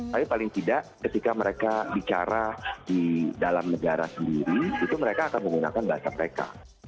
tapi paling tidak ketika mereka bicara di dalam negara sendiri itu mereka akan menggunakan bahasa mereka